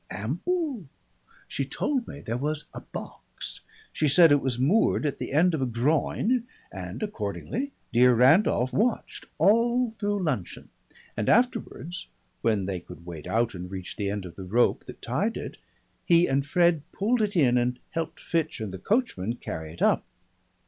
"Ample. She told me there was a box. She said it was moored at the end of a groin, and accordingly dear Randolph watched all through luncheon, and afterwards, when they could wade out and reach the end of the rope that tied it, he and Fred pulled it in and helped Fitch and the coachman carry it up.